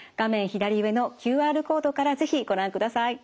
左上のＱＲコードから是非ご覧ください。